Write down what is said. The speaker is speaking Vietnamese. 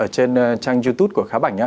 trên trang youtube của khá bảnh